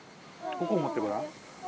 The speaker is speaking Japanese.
ここを持ってごらん。